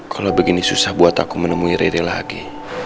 kalau begini susah buat aku menemui rere lagi